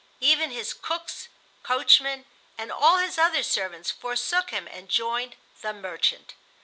Even his cooks, coachmen, and all his other servants forsook him and joined the "merchant."